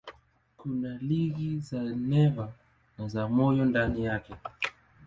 Kuna liga za neva na za moyo ndani yake.